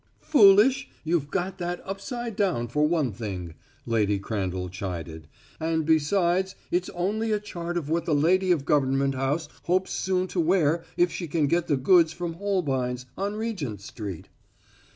"Foolish! You've got that upside down for one thing," Lady Crandall chided. "And besides it's only a chart of what the lady of Government House hopes soon to wear if she can get the goods from Holbein's, on Regent Street."